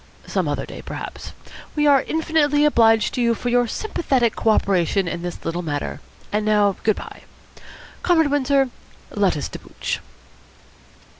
Some other day, perhaps. We are infinitely obliged to you for your sympathetic co operation in this little matter. And now good bye. Comrade Windsor, let us debouch."